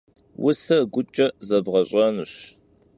Vuser guç'e zedğeş'enuş.